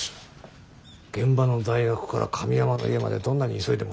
現場の大学から神山の家までどんなに急いでも３０分以上はかかる。